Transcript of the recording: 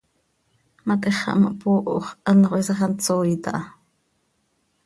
Matix xah ma hpooho x, anxö hiisax hant sooit aha.